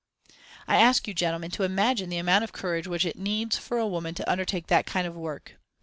I ask you, gentlemen, to imagine the amount of courage which it needs for a woman to undertake that kind of work.